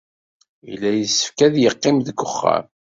Yella yessefk ad yeqqim deg wexxam.